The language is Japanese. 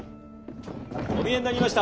お見えになりました。